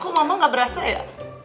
kok mama gak berasa ya